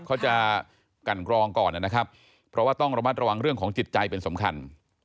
เขาจะกันกรองก่อนนะครับเพราะว่าต้องระมัดระวังเรื่องของจิตใจเป็นสำคัญ